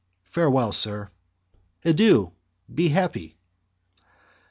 Farewell, sir." "Adieu, be happy!"